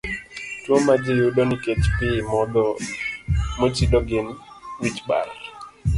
Tuwo ma ji yudo nikech pi modho mochido gin: A. wich bar